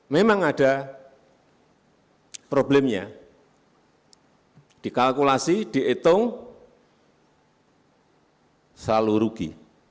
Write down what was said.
memang ada problemnya dikalkulasi dihitung selalu rugi